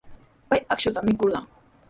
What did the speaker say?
Pay akshuta mikurqan.